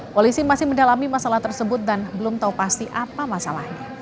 polisi masih mendalami masalah tersebut dan belum tahu pasti apa masalahnya